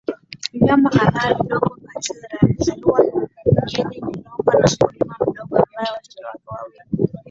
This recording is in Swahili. vyama kadhaa vidogoChakwera alizaliwa mjini Lilongwe na mkulima mdogo ambaye watoto wake wawili